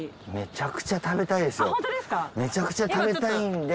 めちゃくちゃ食べたいんで。